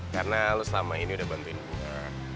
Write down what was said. karena lo selama ini udah bantuin gue